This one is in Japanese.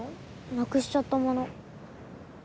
なくしちゃったもの。